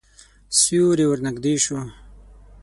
سیوری ورنږدې شو.